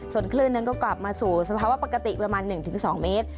ส่วนคลื่นนั้นก็กลับมาสู่สภาวะปกติประมาณ๑๒เมตร